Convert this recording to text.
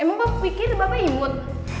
emang gue pikir bapak imut